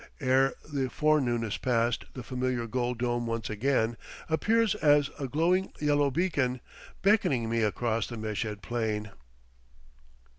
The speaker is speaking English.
Ere the forenoon is passed the familiar gold dome once again appears as a glowing yellow beacon, beckoning me across the Meshed plain.